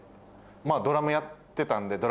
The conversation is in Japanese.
ドラムやってたんで。